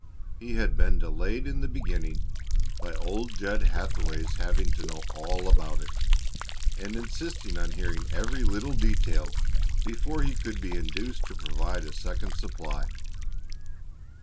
He had been delayed in the beginning by old Jed Hathaway's having to know all about it, and insisting on hearing every little detail before he could be induced to provide a second supply.